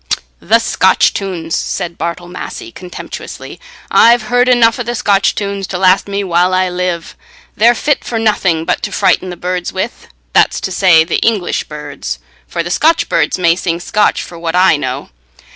"The Scotch tunes!" said Bartle Massey, contemptuously; "I've heard enough o' the Scotch tunes to last me while I live. They're fit for nothing but to frighten the birds with—that's to say, the English birds, for the Scotch birds may sing Scotch for what I know.